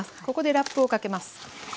ここでラップをかけます。